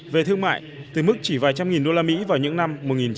về thương mại từ mức chỉ vài trăm nghìn đô la mỹ vào những năm một nghìn chín trăm chín mươi